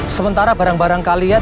sementara barang barang kalian